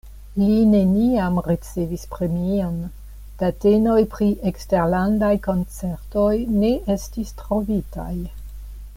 Li neniam ricevis premion, datenoj pri eksterlandaj koncertoj ne estis trovitaj.